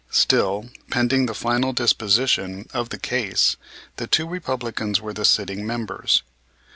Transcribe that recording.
Still, pending the final disposition of the case, the two Republicans were the sitting members.